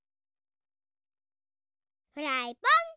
フライパン！